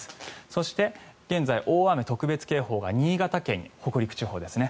そして、現在、大雨特別警報が新潟県、北陸地方ですね。